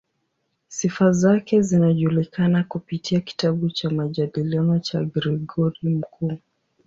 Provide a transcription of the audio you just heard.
Sifa zake zinajulikana kupitia kitabu cha "Majadiliano" cha Gregori Mkuu.